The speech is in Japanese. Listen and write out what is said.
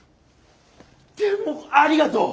でもありがとう！